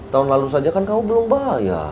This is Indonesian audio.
tahun lalu saja kan kamu belum bayar